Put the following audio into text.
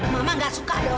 mama enggak suka dong